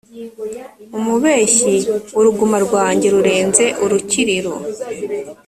umubeshyi uruguma rwanjye rurenze urukiriro